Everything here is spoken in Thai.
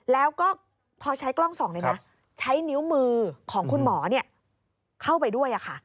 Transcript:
แล้วก็พอใช้กล้องส่องใช้นิ้วมือของคุณหมอเข้าไปด้วยค่ะ